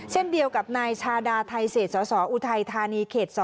เช่นเดียวกับนายชาดาไทเศษสสออุทัยธานีเขต๒